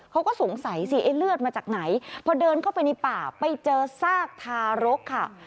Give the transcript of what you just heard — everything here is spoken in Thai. เขาก็สงสัยสิไอ้เลือดมาจากไหนพอเดินเข้าไปในป่าไปเจอซากทารกค่ะ